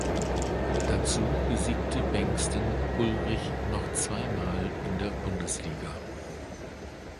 Dazu besiegte Bengtson Ulrich noch zwei Mal in der Bundesliga.